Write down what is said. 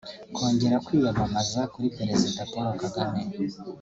Kongera kwiyamamaza kuri Perezida Paul Kagame